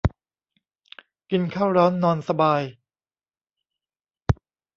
กินข้าวร้อนนอนสบาย